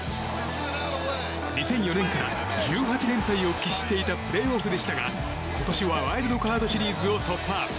２００４年から１８連敗を喫していたプレーオフでしたが今年はワイルドカードシリーズを突破。